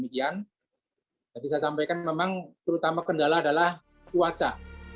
jadi saya sampaikan memang terutama kendala adalah kuaca